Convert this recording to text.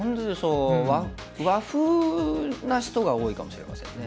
和風な人が多いかもしれませんね。